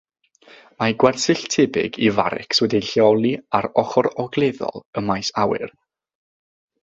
Mae gwersyll tebyg i farics wedi'i lleoli ar ochr ogleddol y maes awyr.